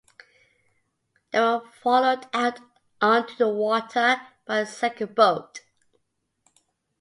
They were followed out onto the water by a second boat.